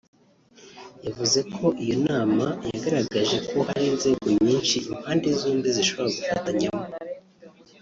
yavuze ko iyo nama yagaragaje ko hari inzego nyinshi impande zombi zishobora gufatanyamo